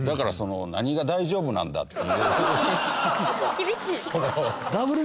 厳しい。